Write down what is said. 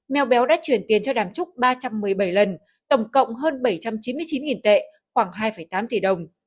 mèo béo đã chuyển tiền cho đàm trúc ba trăm một mươi bảy lần tổng cộng hơn bảy trăm chín mươi chín tệ khoảng hai tám tỷ đồng